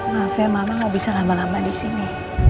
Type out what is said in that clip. maaf ya mama gak bisa lama lama di sini